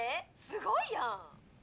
ごいやん